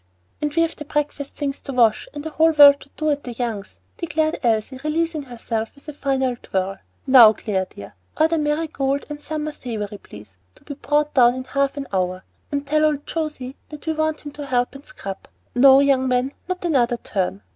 "And we have the breakfast things to wash, and a whole world to do at the Youngs'," declared Elsie, releasing herself with a final twirl. "Now, Clare dear, order Marigold and Summer Savory, please, to be brought down in half an hour, and tell old José that we want him to help and scrub. No, young man, not another turn.